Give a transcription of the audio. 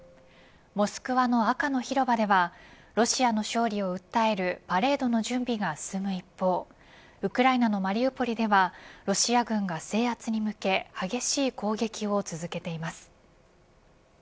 モスクワの赤の広場ではロシアの勝利を訴えるパレードの準備が進む一方ウクライナのマリウポリではロシア軍が制圧に向け激しい攻撃を続けています。